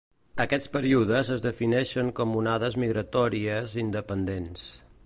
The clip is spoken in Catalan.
Aquests períodes es defineixen com onades migratòries independents.